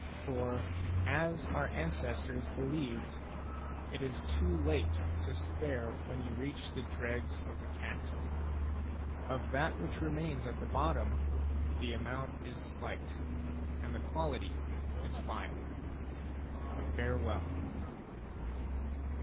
For, as our ancestors believed, it is too late to spare when you reach the dregs of the cask. a Of that which remains at the bottom, the amount is slight, and the quality is vile. Farewell.